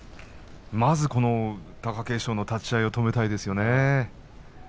まず貴景勝の立ち合いを止めたいですね。